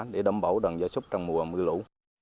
để đảm bảo đoàn dây súc trong mùa mưa lũ